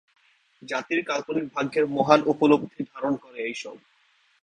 জাতির কাল্পনিক ভাগ্যের মহান উপলব্ধি ধারণ করে এইসব।